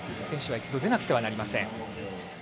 選手は一度出なくてはなりません。